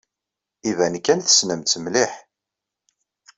Iban kan tessnem-tt mliḥ.